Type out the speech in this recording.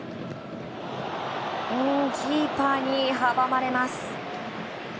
キーパーに阻まれます。